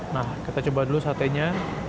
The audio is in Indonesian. nah kita coba dulu satenya